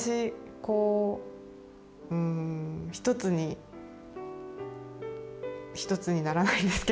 こううん１つに１つにならないんですけど答えが。